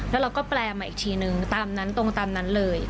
แล้วเราก็แปลมาอีกทีหนึ่งตรงตามนั้นเลย